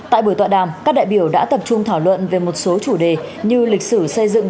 tại buổi tọa đàm các đại biểu đã tập trung thảo luận về một số chủ đề như lịch sử xây dựng